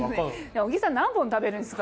小木さん何本食べるんですか？